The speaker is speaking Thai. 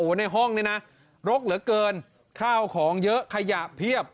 ในห้องนี้นะรกเหลือเกินข้าวของเยอะขยะเพียบ